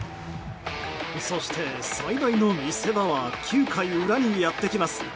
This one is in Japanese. そして、最大の見せ場は９回裏にやってきます。